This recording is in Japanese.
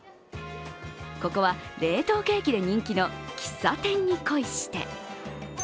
ここは冷凍ケーキで人気の喫茶店に恋して。